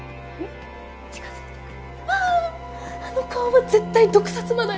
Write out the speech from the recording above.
あの顔は絶対毒殺魔だよ。